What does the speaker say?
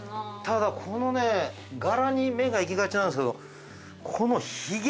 ただこの柄に目がいきがちなんですけどこのひげね。